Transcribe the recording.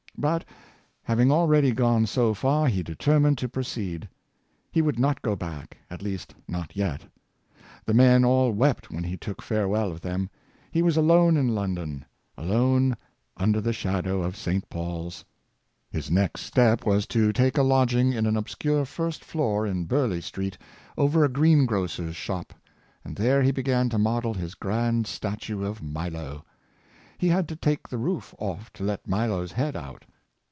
^ But, having already gone so far, he determined to proceed. He would not go back — at least, not yet. The men all wept when he took farewell of them. He was alone in London, alone under the shadow of St. Paul's. His next step was to take a lodging in an obscure first floor in Burleigh street, ov^er a green grocer's shop; and there he began to model his grand statue of " Milo." 416 LouglCs Success. He had to take the roof off to let Milo's head out.